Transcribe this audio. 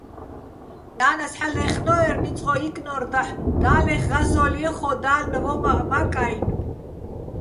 ნა́ნას ჰ̦ალო̆ ლაჲხნო́ერ, ნიწყოჸ ჲიკნო́რ დაჰ̦, და́ლეხ ღაზოლ ჲეხო́, და́ლნ ვო́მაჸ მაკ-ა́ჲნო̆.